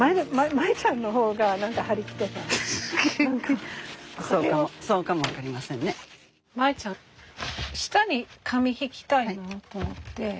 マエちゃん下に紙敷きたいなあと思って。